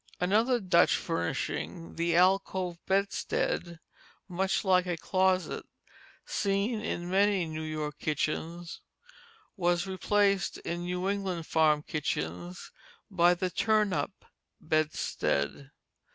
Another Dutch furnishing, the alcove bedstead, much like a closet, seen in many New York kitchens, was replaced in New England farm kitchens by the "turn up" bedstead.